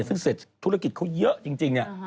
ซึ่งเสร็จธุรกิจเขาเยอะจริงเนี่ย